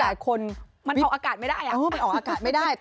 มันออกอากาศไม่ได้อะ